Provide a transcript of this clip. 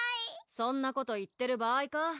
そんなこと言ってる場合か？